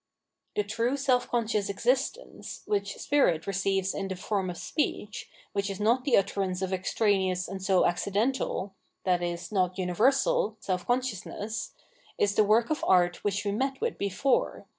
The true self conscious existence, which spirit receives in the form of speech, which is not the utterance of extraneous and so accidental, i.e. not universal, self consciousness, is the work of art which we met with before.